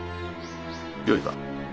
よいか